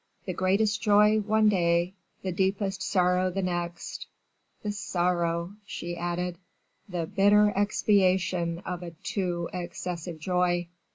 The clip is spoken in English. The greatest joy, one day; the deepest sorrow the next; the sorrow," she added, "the bitter expiation of a too excessive joy."